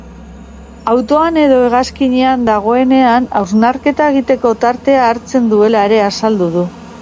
Autoan edo hegazkinean dagoenean, hausnarketa egiteko tartea hartzen duela ere azaldu du.